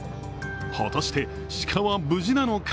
果たして、鹿は無事なのか。